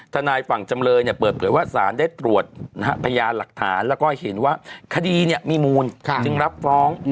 ทนายฝั่งจำเลยเปิดเผยว่าสารได้ตรวจพยานหลักฐานแล้วก็เห็นว่าคดีมีมูลจึงรับฟ้อง